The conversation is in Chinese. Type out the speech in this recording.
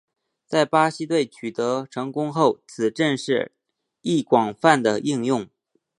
在巴西队取得成功后此阵式亦广泛地应用。